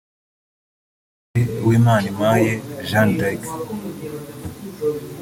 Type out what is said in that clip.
Depite Uwimanimpaye Jeanne d’ Arc